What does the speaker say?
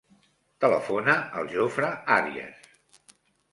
Telefona al Jofre Arias.